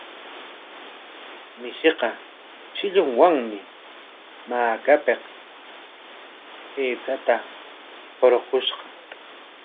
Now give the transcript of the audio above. Mishiqa shillunwami makapik aychata hurqushqa.